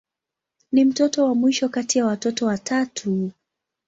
Ni mtoto wa mwisho kati ya watoto watatu.